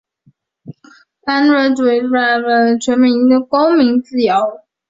反独裁主义者通常相信法律下全面的人人平等的和强大的公民自由。